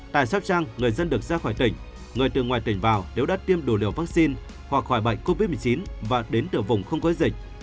tại sóc trăng người dân được ra khỏi tỉnh người từ ngoài tỉnh vào nếu đã tiêm đủ liều vaccine hoặc khỏi bệnh covid một mươi chín và đến từ vùng không có dịch